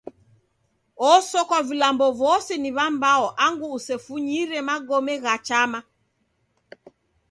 Osokwa vilambo vose ni w'ambao angu usefunyire magome gha chama.